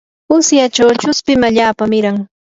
usyachaw chuspin allaapa miran.